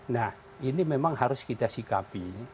nah ini memang harus kita sikapi